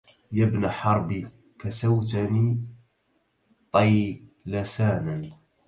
يا ابن حرب كسوتني طيلسانا